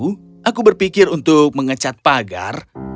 aku berpikir untuk mengecat pagar